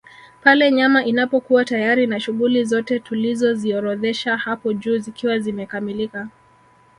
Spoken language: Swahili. Pale nyama inapokuwa tayari na shughuli zote tulizoziorodhesha hapo juu zikiwa zimekamilika